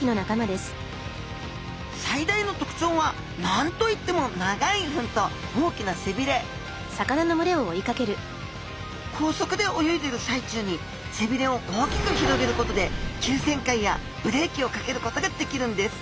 最大のとくちょうは何と言っても長い吻と大きな背びれ高速で泳いでいる最中に背びれを大きく広げることで急旋回やブレーキをかけることができるんです。